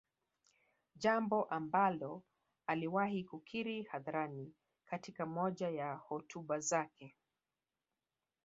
Jambo ambalo aliwahi kukiri hadharani katika moja ya hotuba zake